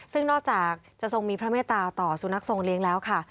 ซึ่งนอกจากจะทรงมีพระเมตตาต่อสุนัขทรงเลี้ยงแล้วค่ะ